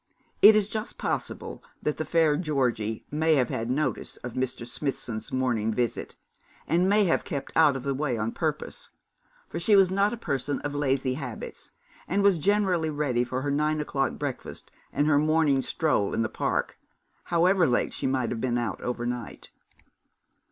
It is just possible that the fair Georgie may have had notice of Mr. Smithson's morning visit, and may have kept out of the way on purpose, for she was not a person of lazy habits, and was generally ready for her nine o'clock breakfast and her morning stroll in the park, however late she might have been out overnight.